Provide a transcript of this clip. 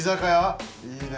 いいね。